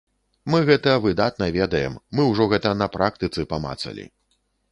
Мы гэта выдатна ведаем, мы ўжо гэта на практыцы памацалі.